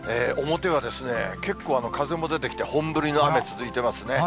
表はですね、結構、風も出てきて、本降りの雨、続いてますね。